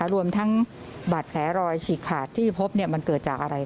รวมทั้งบาดแผลรอยฉีกขาดที่พบมันเกิดจากอะไร